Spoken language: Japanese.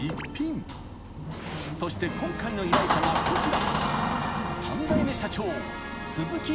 ［そして今回の依頼者がこちら］